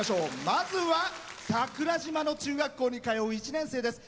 まずは桜島の中学校に通う１年生です。